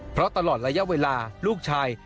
เพราะตลอดระยะเวลาลูกชาย